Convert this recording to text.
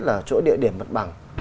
là chỗ địa điểm mặt bằng